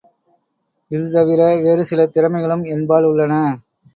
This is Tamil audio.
இது தவிர வேறு பல திறமைகளும் என்பால் உள்ளன.